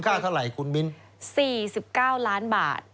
บุญค่าเท่าไรครับคุณบินอบินรัชภิกษ์๔๙ล้านบาท